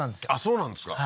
そうなんですか